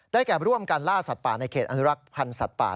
แก่ร่วมกันล่าสัตว์ป่าในเขตอนุรักษ์พันธ์สัตว์ป่า